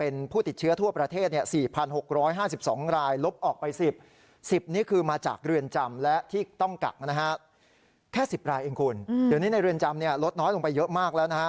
ในเรื่องจำลดน้อยลงไปเยอะมากแล้วนะฮะ